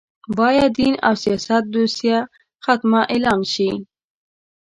باید دین او سیاست دوسیه ختمه اعلان شي